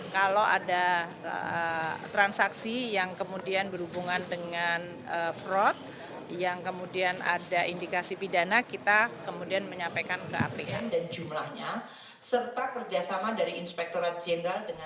kalau ada transaksi yang kemudian berhubungan dengan fraud yang kemudian ada indikasi pidana kita kemudian menyampaikan ke apm dan jumlahnya serta kerjasama dari inspektorat jenderal